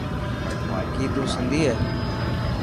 ڪي تون سنڌي هي.